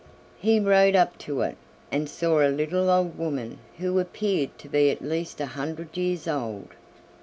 He rode up to it, and saw a little old woman, who appeared to be at least a hundred years old.